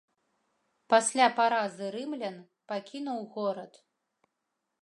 Пасля паразы рымлян пакінуў горад.